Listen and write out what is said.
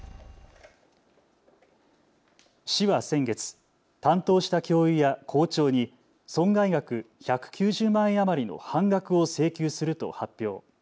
市は先月、担当した教諭や校長に損害額１９０万円余りの半額を請求すると発表。